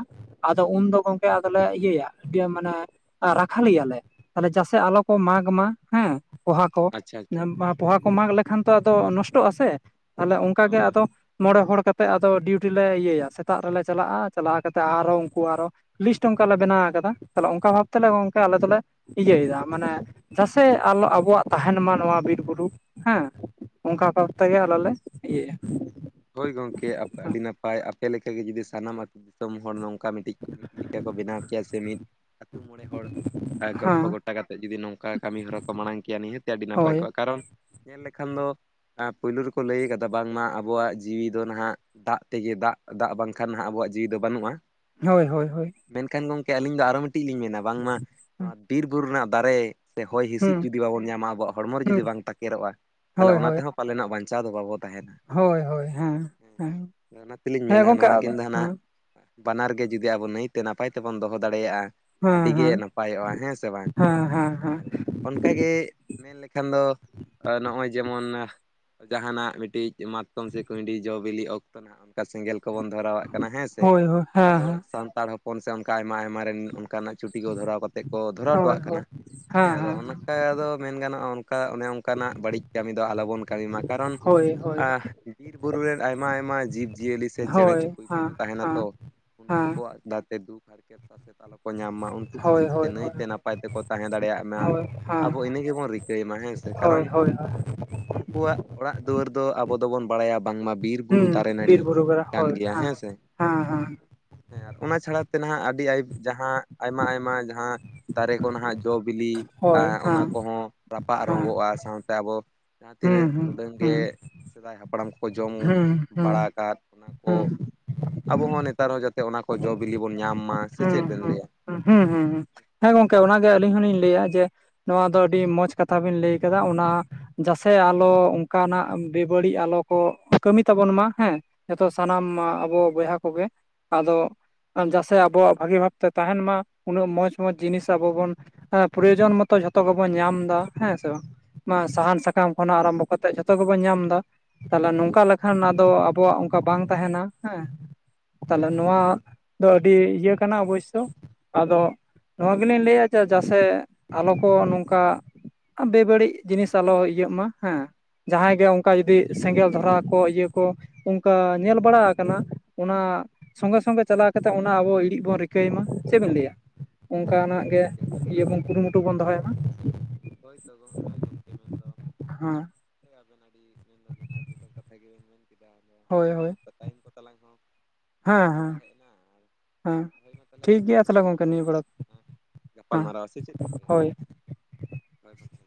ᱟᱫᱚ ᱩᱱᱫᱚ ᱜᱚᱝᱠᱮ ᱟᱫᱚᱞᱮ ᱤᱭᱟᱹᱭᱟ ᱤᱭᱟᱹ ᱢᱟᱱᱮ ᱨᱟᱠᱷᱟ ᱞᱮᱤᱭᱟ. ᱞᱮ, ᱛᱟᱞᱦᱮ ᱡᱟᱥᱮ ᱟᱞᱚ ᱠᱚ ᱢᱟᱜᱽ ᱢᱟ ᱦᱮᱸ ᱯᱚᱦᱟ ᱠᱚ ᱟᱪᱪᱷᱟ ᱟᱪᱪᱷᱟ ᱯᱚᱦᱟ ᱠᱚ ᱢᱟᱜᱽ ᱞᱮᱠᱷᱟᱱ ᱛᱚ ᱟᱫᱚ ᱱᱚᱥᱴᱚᱜᱼᱟ ᱥᱮ ᱛᱟᱦᱚᱞᱮ ᱚᱝᱠᱟᱜᱮ ᱦᱳᱭ ᱟᱫᱚ ᱢᱚᱬᱮ ᱦᱚᱲ ᱠᱟᱛᱮᱜ ᱟᱫᱚ ᱰᱤᱭᱩᱴᱤ ᱞᱮ ᱤᱭᱟᱹᱭᱟ, ᱥᱮᱛᱟᱜ ᱨᱮᱞᱮ ᱪᱟᱞᱟᱜᱼᱟ ᱪᱟᱞᱟᱣ ᱠᱟᱛᱮ ᱟᱨᱚ ᱩᱱᱠᱩ ᱟᱨᱚ ᱞᱤᱥᱴ ᱚᱝᱠᱟ ᱞᱮ ᱵᱮᱱᱟᱣ ᱠᱟᱫᱟ ᱛᱟᱦᱚᱞᱮ ᱚᱝᱠᱟ ᱵᱷᱟᱵ ᱛᱮᱞᱮ ᱜᱚᱝᱠᱮ ᱟᱞᱮ ᱫᱚᱞᱮ ᱤᱭᱟᱹᱭᱮᱫᱟ, ᱢᱟᱱᱮ ᱡᱟᱥᱮ ᱟᱞᱚ ᱟᱵᱚᱣᱟᱜ ᱛᱟᱦᱮᱱ ᱢᱟ ᱱᱚᱣᱟ ᱵᱤᱨ-ᱵᱩᱨᱩ ᱦᱮᱸ ᱾ ᱚᱝᱠᱟ ᱵᱷᱟᱵᱽ ᱛᱮᱜᱮ ᱟᱞᱮ ᱞᱮ ᱤᱭᱟᱹᱭᱟ ᱾ ᱦᱳᱭ ᱜᱚᱝᱠᱮ ᱟᱯᱮ ᱟᱹᱰᱤ ᱱᱟᱯᱟᱭ, ᱟᱯᱮ ᱞᱮᱠᱟᱜᱮ ᱡᱩᱫᱤ ᱥᱟᱱᱟᱢ ᱟᱛᱚ ᱫᱤᱥᱚᱢ ᱦᱚᱲ ᱱᱚᱝᱠᱟ ᱢᱤᱫᱴᱤᱡ ᱴᱤᱠᱟ ᱠᱚ ᱵᱮᱱᱟᱣ ᱠᱮᱭᱟ ᱥᱮ ᱢᱤᱫ ᱟᱹᱛᱩ ᱢᱚᱬᱮ ᱦᱚᱲ ᱟᱨ ᱦᱮᱸ ᱜᱚᱞᱯᱷᱚ ᱜᱚᱴᱟ ᱠᱟᱛᱮᱫ ᱡᱩᱫᱤ ᱱᱚᱝᱠᱟ ᱠᱟᱹᱢᱤ ᱦᱚᱨᱟ ᱠᱚ ᱢᱟᱲᱟᱝ ᱠᱮᱭᱟ ᱱᱤᱦᱟᱹᱛᱤ ᱟᱹᱰᱤ ᱱᱟᱯᱟᱭ ᱦᱳᱭ ᱠᱚᱜᱼᱟ ᱾ ᱠᱟᱨᱚᱱ ᱧᱮᱞ ᱞᱮᱠᱷᱟᱱ ᱫᱚ ᱟᱸ ᱯᱩᱭᱞᱩ ᱨᱮᱠᱚ ᱞᱟᱹᱭ ᱠᱟᱫᱟ ᱵᱟᱝᱢᱟ ᱟᱵᱚᱣᱟᱜ ᱡᱤᱣᱤ ᱫᱚ ᱱᱟᱦᱟᱜ ᱫᱟᱜ ᱛᱮᱜᱮ ᱫᱟᱜ ᱫᱟᱜ ᱵᱟᱝᱠᱷᱟᱱ ᱱᱟᱦᱟᱜ ᱟᱵᱚᱣᱟᱜ ᱡᱤᱣᱤ ᱫᱚ ᱵᱟᱹᱱᱩᱜᱼᱟ ᱾ ᱦᱳᱭ ᱦᱳᱭ ᱦᱳᱭ ᱾ ᱢᱮᱱᱠᱷᱟᱱ ᱜᱚᱝᱠᱮ ᱟᱹᱞᱤᱧ ᱫᱚ ᱟᱨᱚ ᱢᱤᱫᱴᱤᱡ ᱞᱤᱧ ᱢᱮᱱᱟ, ᱵᱟᱝᱢᱟ ᱱᱚᱣᱟ ᱵᱤᱨ ᱵᱩᱨᱩ ᱨᱮᱱᱟᱜ ᱫᱟᱨᱮ ᱥᱮ ᱦᱚᱭ ᱦᱤᱸᱥᱤᱫ ᱦᱩᱸ ᱡᱩᱫᱤ ᱵᱟᱵᱚᱱ ᱧᱟᱢᱟ ᱟᱵᱚᱣᱟᱜ ᱦᱚᱲᱢᱚ ᱨᱮ ᱡᱩᱫᱤ ᱵᱟᱝ ᱛᱟᱠᱮᱨᱚᱜᱼᱟ, ᱛᱟᱦᱚᱞᱮ ᱦᱳᱭ ᱚᱱᱟ ᱦᱳᱭ ᱛᱮᱦᱚᱸ ᱯᱟᱞᱮᱱᱟᱜ ᱵᱟᱧᱪᱟᱣ ᱫᱚ ᱵᱟᱵᱚ ᱛᱟᱦᱮᱱᱟ! ᱦᱳᱭ ᱦᱳᱭ ᱦᱮᱸ᱾ ᱦᱮᱸ ᱚᱱᱟ ᱛᱮᱞᱤᱧ ᱦᱮᱸ ᱢᱮᱱᱟ ᱜᱚᱝᱠᱮ ᱱᱚᱣᱟ ᱠᱤᱱ ᱟᱫᱚ ᱫᱚ ᱱᱟᱜ᱾ ᱦᱮᱸ ᱵᱟᱱᱟᱨ ᱜᱮ ᱡᱩᱫᱤ ᱟᱵᱚ ᱱᱟᱹᱭᱛᱮ ᱱᱟᱯᱟᱭ ᱛᱮᱵᱚᱱ ᱫᱚᱦᱚ ᱫᱟᱲᱮᱭᱟᱜ-ᱟ᱾ ᱦᱮᱸ ᱟᱰᱤᱜᱮ ᱦᱮᱸ ᱱᱟᱯᱟᱭᱚᱜ-ᱟ ᱦᱮᱸ ᱥᱮ ᱵᱟᱝ ᱦᱮᱸ ᱦᱮᱸ ᱦᱮᱸ ᱟᱨ᱾ ᱚᱱᱠᱟᱜᱮ ᱢᱮᱱ ᱞᱮᱠᱷᱟᱱ ᱫᱚ ᱱᱚᱜ-ᱚᱭ ᱡᱮᱢᱚᱱ ᱡᱟᱸᱦᱟᱱᱟᱜ ᱢᱤᱴᱤᱡ᱾ ᱢᱟᱛᱚᱠᱚᱢ ᱥᱮ᱾ ᱠᱩᱸᱭᱰᱤ ᱡᱚ ᱵᱤᱞᱤ ᱚᱠᱛᱚ ᱱᱷᱟᱜ ᱚᱱᱠᱟ ᱥᱮᱸᱜᱮᱞ ᱠᱚᱵᱚᱱ ᱫᱷᱚᱨᱟᱣᱟᱜ ᱠᱟᱱᱟ ᱦᱮᱸ ᱥᱮ ᱦᱳᱭ ᱦᱳᱭ ᱦᱮᱸ ᱟᱵᱚ ᱦᱮᱸ ᱥᱟᱱᱛᱟᱲ ᱦᱚᱯ ᱦᱚᱯᱚᱱ ᱥᱮ ᱚᱱᱠᱟ ᱟᱭᱢᱟ ᱟᱭᱢᱟᱮᱱ ᱦᱚᱯᱚᱱ ᱥᱮ ᱚᱱᱠᱟ ᱠᱚᱱ ᱥᱮ ᱚᱱᱠᱟ ᱟᱭᱢᱟ ᱟᱭᱢᱟ ᱨᱮᱱ ᱚᱱᱠᱟᱱᱟᱜ ᱪᱩᱴᱤ ᱠᱚ ᱫᱷᱚᱨᱟᱣ ᱠᱟᱛᱮᱜ ᱠᱚ ᱫᱷᱚᱨᱟᱣ ᱦᱚᱴᱚᱣᱟᱜ ᱠᱟᱱᱟ ᱦᱮᱸ ᱟᱫᱚ ᱚᱱᱟ᱾ ᱮᱸ ᱟᱫᱚ ᱢᱮᱱ ᱜᱟᱱᱚᱜ-ᱟ ᱚᱱ ᱠᱟ ᱚᱱᱮ ᱚᱱᱠᱟᱱᱟᱜ ᱵᱟᱲᱤᱡ ᱠᱟᱢᱤ ᱫᱚ ᱟᱞᱚᱵᱚᱱ ᱠᱟᱢᱤ ᱢᱟ ᱠᱟᱨᱚᱱ ᱦᱳᱭ ᱦᱳᱭ ᱟᱸ ᱵᱤᱨ ᱵᱩᱨᱩ ᱨᱮᱱ ᱟᱭᱢᱟ ᱟᱭᱢᱟ ᱡᱤᱵᱽ ᱡᱤᱭᱟᱹᱞᱤ ᱥᱮ ᱪᱮᱸᱬᱮ ᱦᱳᱭ ᱦᱮᱸ ᱪᱩᱯᱲᱩᱡ ᱠᱚᱠᱚ ᱛᱟᱦᱮᱱᱟ ᱛᱚ ᱦᱮᱸ ᱩᱱᱠᱩ ᱦᱮᱸ ᱠᱚᱣᱟᱜ᱾ ᱟᱜ ᱡᱟ-ᱛᱮ ᱫᱩᱠᱷ ᱦᱟᱨᱠᱮᱛ᱾ ᱥᱟᱥᱮᱛ ᱟᱞᱚ ᱠᱚ ᱧᱟᱢ ᱢᱟ ᱩᱱᱠᱩ ᱠᱚᱦᱚ ᱦᱳᱭ ᱡᱟᱛᱮ ᱦᱳᱭ ᱦᱳᱭ ᱱᱟᱹᱭᱛᱮ ᱱᱟᱯᱟᱭ ᱛᱮᱠᱚ ᱛᱟᱸᱦᱮ ᱫᱟᱲᱮᱭᱟᱜ ᱢᱟ᱾ ᱦᱳᱭ ᱦᱮᱸ ᱟᱵᱚ ᱤᱱᱟᱹ ᱜᱮᱵᱚᱱ ᱨᱤᱠᱟᱹᱭ ᱢᱟ ᱦᱮᱸ ᱥᱮ ᱠᱟᱨᱚᱱ᱾ ᱦᱳᱭ ᱦᱳᱭ ᱩᱱᱠᱩᱣᱟᱜ ᱚᱲᱟᱜ ᱫᱩᱣᱟᱹᱨ ᱫᱚ ᱟᱵᱚ ᱫᱚᱵᱚᱱ᱾ ᱭᱟ ᱵᱟᱝᱢᱟ ᱵᱤᱨ ᱵᱩᱨᱩ ᱦᱩᱸ ᱫᱟᱨᱮ ᱵᱤᱨ ᱱᱟᱹᱲᱤ ᱵᱩᱨᱩ ᱠᱚᱨᱮ ᱠᱟᱱ ᱦᱳᱭ ᱜᱮᱭᱟ ᱦᱮᱸ ᱥᱮ᱾ ᱦᱮᱸ ᱦᱮᱸ ᱦᱮᱸ ᱟᱨ ᱚᱱᱟ ᱪᱷᱟᱲᱟ ᱛᱮ ᱱᱷᱟᱜ ᱟᱰᱤ ᱟᱭ ᱡᱟᱸᱦᱟ ᱟᱭᱢᱟ ᱟᱭᱢᱟ ᱡᱟᱸᱦᱟ᱾ ᱫᱟᱨᱮ ᱠᱚ ᱱᱟᱦᱟᱜ ᱡᱚ ᱵᱤᱞᱤ ᱦᱳᱭ ᱟᱨ ᱚᱱᱟ ᱦᱮᱸ ᱠᱚᱦᱚᱸ ᱨᱟᱯᱟᱜ ᱦᱮᱸ ᱨᱚᱸᱜᱚᱜ-ᱟ ᱥᱟᱶᱛᱮ ᱟᱵᱚ᱾ ᱡᱟᱸᱦᱟ ᱛᱤᱱᱟᱹᱜ ᱦᱩᱸ ᱩᱰᱟᱹᱝ ᱜᱮ ᱦᱩᱸ ᱥᱮᱫᱟᱭ ᱦᱟᱯᱲᱟᱢ ᱠᱚ᱾ ᱠᱚ ᱡᱚᱢ ᱦᱩᱸ ᱦᱩᱸ ᱵᱟᱲᱟ ᱦᱩᱸ ᱠᱟᱫ ᱚᱱᱟ ᱠᱚ᱾ ᱦᱩᱸ ᱟᱵᱚ ᱦᱚᱸ ᱱᱮᱛᱟᱨ ᱦᱚᱸ ᱡᱟᱛᱮ ᱚᱱᱟ ᱠᱚ ᱡᱚ ᱵᱤᱞᱤ ᱵᱚᱱ ᱧᱟᱢ ᱢᱟ ᱥᱮ ᱦᱩᱸ ᱪᱮᱫ ᱵᱮᱱ ᱦᱩᱸ ᱞᱟᱹᱭᱟ᱾ ᱦᱩᱸ ᱦᱩᱸ ᱦᱩᱸ ᱦᱮᱸ ᱜᱚᱝᱠᱮ ᱚᱱᱟᱜᱮ ᱟᱹᱞᱤᱧ ᱦᱚᱞᱤᱧ ᱞᱟᱹᱭᱟ ᱡᱮ᱾ ᱱᱚᱣᱟ ᱫᱚ ᱟᱹᱰᱤ ᱢᱚᱡᱽ ᱠᱟᱛᱷᱟ ᱵᱤᱱ ᱞᱟᱹᱭ ᱠᱟᱫᱟ ᱚᱱᱟ᱾ ᱡᱟᱥᱮ ᱟᱞᱚ ᱚᱝᱠᱟᱱᱟᱜ ᱵᱮᱵᱟᱹᱲᱤᱜ ᱟᱞᱚ᱾ ᱠᱚ ᱠᱟᱹᱢᱤ ᱛᱟᱵᱚᱱ ᱢᱟ ᱦᱮᱸ ᱡᱷᱚᱛᱚ ᱥᱟᱱᱟᱢ ᱟᱵᱚ ᱵᱚᱭᱦᱟ ᱠᱚᱜᱮ ᱟᱫᱚ᱾ ᱡᱟᱥᱮ ᱟᱵᱚᱣᱟᱜ ᱵᱷᱟᱜᱤ ᱵᱷᱟᱵᱛᱮ ᱛᱟᱦᱮᱱ ᱢᱟ ᱩᱱᱟᱹᱜ ᱢᱚᱡᱽ ᱢᱚᱡᱽ ᱡᱤᱱᱤᱥ ᱟᱵᱚ ᱵᱚᱱ᱾ ᱮᱸ ᱯᱨᱚᱭᱳᱡᱚᱱ ᱢᱚᱛᱚ ᱡᱷᱚᱛᱚ ᱜᱮᱵᱚᱱ ᱧᱟᱢ ᱫᱟ ᱦᱮᱸ ᱥᱮ ᱵᱟᱝ᱾ ᱢᱟ ᱥᱟᱦᱟᱱ ᱥᱟᱠᱟᱢ ᱠᱷᱚᱱᱟᱜ ᱟᱨᱟᱢᱵᱚ ᱠᱟᱛᱮᱜ ᱡᱷᱚᱛᱚ ᱜᱮᱵᱚᱱ ᱧᱟᱢ ᱫᱟ᱾ ᱛᱟᱦᱞᱮ ᱱᱚᱝᱠᱟ ᱞᱮᱠᱷᱟᱱ ᱟᱫᱚ ᱟᱵᱚᱣᱟᱜ ᱚᱱᱠᱟ ᱵᱟᱝ ᱛᱟᱦᱮᱱᱟ ᱦᱮᱸ᱾ ᱛᱟᱦᱞᱮ ᱱᱚᱣᱟ ᱫᱚ ᱟᱹᱰᱤ ᱤᱭᱟᱹ ᱠᱟᱱᱟ ᱚᱵᱳᱭᱥᱚ ᱟᱫᱚ᱾ ᱱᱚᱣᱟ ᱜᱮᱞᱤᱧ ᱞᱟᱹᱭᱟ ᱡᱮ ᱡᱟᱥᱮ ᱟᱞᱚ ᱠᱚ ᱱᱚᱝᱠᱟ᱾ ᱵᱮᱵᱟᱹᱲᱤᱡ ᱡᱤᱱᱤᱥ ᱟᱞᱚ ᱤᱭᱟᱹᱜ ᱢᱟ ᱦᱮᱸ ᱡᱟᱸᱦᱟᱭ ᱜᱮ ᱚᱱᱠᱟ᱾ ᱫᱤ ᱥᱮᱸᱜᱮᱞ ᱫᱷᱚᱨᱟᱣ ᱠᱚ ᱤᱭᱟᱹ ᱠᱚ ᱚᱱᱠᱟ ᱧᱮᱞ ᱵᱟᱲᱟ ᱟᱠᱟᱱᱟ ᱚᱱᱟ᱾ ᱥᱚᱸᱜᱮ ᱥᱚᱸᱜᱮ ᱪᱟᱞᱟᱣ ᱠᱟᱛᱮᱜ ᱚᱱᱟ ᱟᱵᱚ ᱤᱬᱤᱜ ᱵᱚᱱ ᱨᱤᱠᱟᱹᱭ ᱢᱟ ᱪᱮᱜ ᱵᱮᱱ ᱞᱟᱹᱭᱟ᱾ ᱚᱱᱠᱟᱱᱟᱜ ᱦᱳᱭ ᱜᱮ ᱜᱚᱢᱠᱮ ᱤᱭᱟᱹ ᱦᱳᱭᱛᱚ ᱵᱚᱱ ᱠᱩᱨᱩᱢᱩᱴᱩ ᱵᱚᱱ ᱫᱚᱦᱚᱭ ᱢᱟ᱾ ᱦᱳᱭ ᱛᱚ ᱜᱚᱢ ᱦᱳᱭ ᱜᱚᱢᱠᱮ ᱢᱮᱱᱫᱚ ᱦᱮᱸ ᱟᱵᱮᱱ ᱟᱹᱰᱤ᱾ ᱢᱮᱱ ᱫᱚ ᱡᱚᱛᱷᱟᱛ ᱡᱚᱛᱷᱟᱛ ᱠᱟᱛᱷᱟ ᱜᱮᱵᱮᱱ ᱢᱮᱱ ᱠᱮᱫᱟ ᱟᱫᱚ᱾ ᱦᱳᱭ ᱦᱚᱸ ᱦᱳᱭ᱾ ᱢᱟ ᱴᱟᱭᱤᱢ ᱠᱚ ᱛᱟᱞᱟᱝ ᱦᱚᱸ ᱯᱨᱟᱭ ᱦᱮᱸ ᱪᱟᱵᱟ ᱦᱮᱸ ᱦᱮᱡ ᱮᱱᱟ ᱟᱨ᱾ ᱦᱮᱸ ᱦᱳᱭ ᱢᱟ ᱛᱟᱦᱞᱮ ᱴᱷᱤᱠ ᱜᱮᱭᱟ ᱛᱟᱦᱚᱞᱮ ᱫᱩᱯᱨᱟᱭ ᱜᱚᱢᱠᱮ ᱛᱤᱥ ᱱᱤᱭᱟᱹ ᱠᱚᱛᱮᱞᱟᱝ ᱵᱮᱲᱟ ᱫᱚ ᱮᱸ ᱦᱮᱸ ᱜᱟᱯᱟᱞᱢᱟᱨᱟᱣᱟ ᱥᱮ ᱪᱮᱫ ᱵᱮᱱ ᱞᱟᱹᱭᱟ᱾ ᱦᱳᱭ ᱦᱳᱭ ᱜᱚᱢᱠᱮ᱾